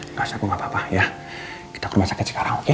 enggak usah aku enggak apa apa ya kita ke rumah sakit sekarang oke